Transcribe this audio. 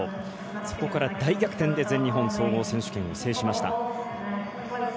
そこから大逆転で全日本総合選手権を制しました。